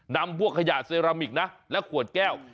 นำพวกขยะเซรามิกนะและขวดแก้ว